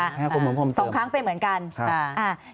ใช่ไหมคะสองครั้งเป็นเหมือนกันใช่ค่ะ